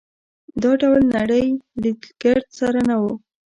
دا ډول نړۍ لید ګرد سره نه وو.